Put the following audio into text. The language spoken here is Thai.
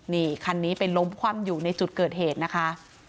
นี่คันนี้ไปล้มคว่ำอยู่ในจุดเกิดเหตุนะคะ